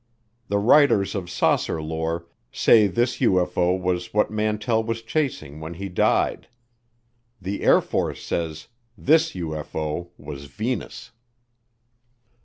The writers of saucer lore say this UFO was what Mantell was chasing when he died; the Air Force says this UFO was Venus.